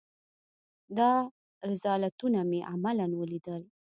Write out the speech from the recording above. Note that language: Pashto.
دا رذالتونه مې عملاً وليدل.